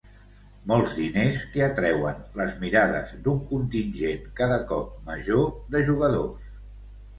Molts diners que atreuen les mirades d'un contingent cada cop major de jugadors.